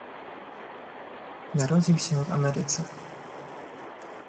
narodził się w Ameryce